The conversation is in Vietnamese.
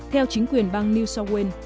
theo chính quyền bang new south wales